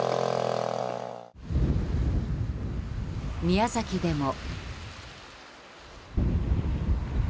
宮崎でも。